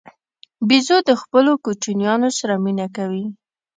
بیزو د خپلو کوچنیانو سره مینه کوي.